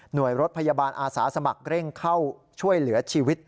โดยรถพยาบาลอาสาสมัครเร่งเข้าช่วยเหลือชีวิต